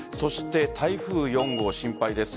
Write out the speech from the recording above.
台風４号心配です。